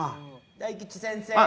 大吉先生。